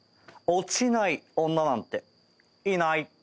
落ちない女なんていない。